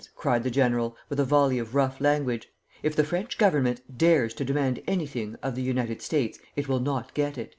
cried the general, with a volley of rough language; "if the French Government dares to demand anything of the United States, it will not get it."